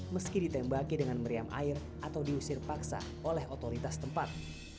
meski ditembaki dengan meriam air atau diusir paksa oleh otoritas tempat